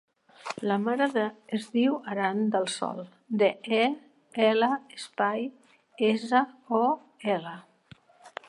La meva mare es diu Aran Del Sol: de, e, ela, espai, essa, o, ela.